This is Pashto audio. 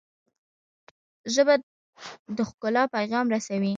ژبه د ښکلا پیغام رسوي